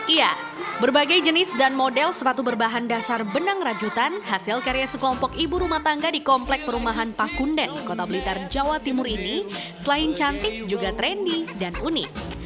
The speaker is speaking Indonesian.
iya berbagai jenis dan model sepatu berbahan dasar benang rajutan hasil karya sekelompok ibu rumah tangga di komplek perumahan pakunden kota blitar jawa timur ini selain cantik juga trendy dan unik